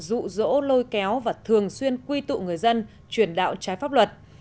dụ dỗ lôi kéo và thường xuyên quy tụ người dân truyền đạo trái pháp luật